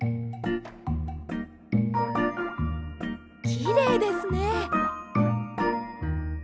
きれいですね。